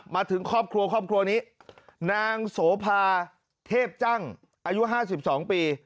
มาถึงครอบครัวนี้นางโสภาเทพจ้างอายุ๕๒ปี